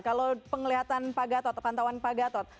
kalau penglihatan pak gatot atau pantauan pak gatot